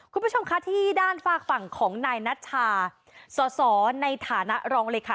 คุณผู้ชมคะที่ด้านฝากฝั่งของนายนัชชาสสในฐานะรองเลยค่ะ